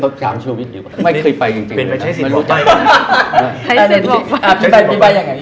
ถามสามล้ออีกแล้วใช่ไหมคะ